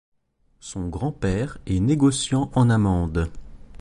Son grand-père est négociant en amandes.